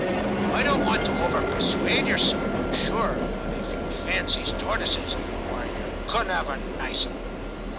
* I don't want to over persuade yer, sir, I'm sure, but if you fancies tortoises, why yer couldn't 'ave a nicer one.